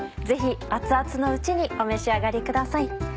ぜひ熱々のうちにお召し上がりください。